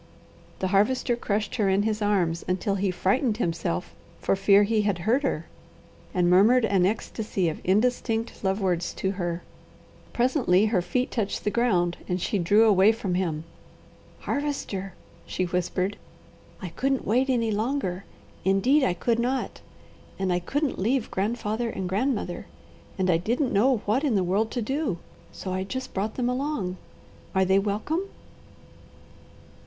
The Harvester crushed her in his arms until he frightened himself for fear he had hurt her, and murmured an ecstasy of indistinct love words to her. Presently her feet touched the ground and she drew away from him. "Harvester," she whispered, "I couldn't wait any longer; indeed I could not: and I couldn't leave grandfather and grandmother, and I didn't know what in the world to do, so I just brought them along. Are they welcome?"